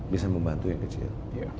bisa membantu yang kecil